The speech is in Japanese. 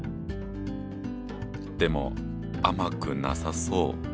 でも甘くなさそう。